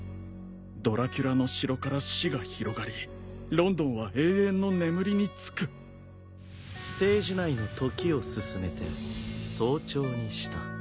「ドラキュラの城から死が広がりロンドンは永遠の眠りにつく」ステージ内の時を進めて早朝にした。